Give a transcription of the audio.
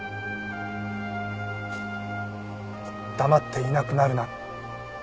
「黙っていなくなるな」。